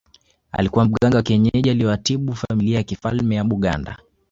Alikuwa mganga wa kienyeji aliyewatibu familia ya kifalme ya Buganda